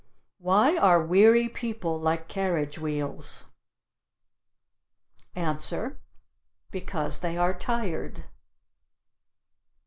Why are weary people like carriage wheels? Answer: Because they are tired.